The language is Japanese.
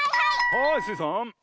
はいスイさん。